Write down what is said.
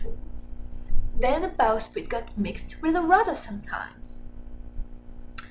4) "Then the bowsprit got mixed with the rudder sometimes."